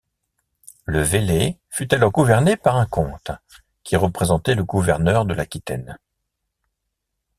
Le Velay fut alors gouverné par un comte qui représentait le gouverneur de l'Aquitaine.